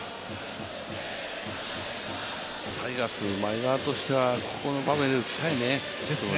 タイガース、前川としてはここの場面で打ちたいね。